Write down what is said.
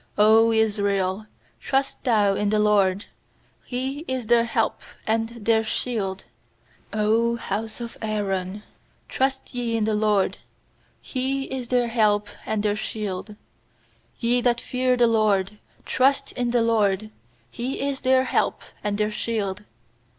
90 Israel, trust thou in the LORD! He is their help and their shield! 100 house of Aaron, trust ye in the LORD! He is their help and their shield! nYe that fear the LORD, trust in the LORD! He is their help and their shield.